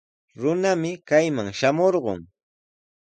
Runami kayman shamurqun.